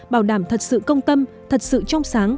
bảo đảm thật sự công tâm thật sự trong sáng